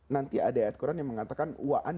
nanti ada ayat qur'an yang mengatakan